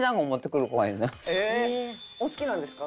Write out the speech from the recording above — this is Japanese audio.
へえお好きなんですか？